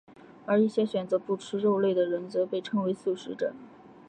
而一些选择不吃肉类的人则被称为素食者。